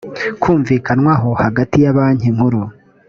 kumvikanwaho hagati ya banki nkuru